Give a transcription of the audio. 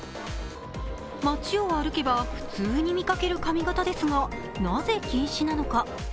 街を歩けば普通に見かける髪形ですが、なぜ禁止なのか？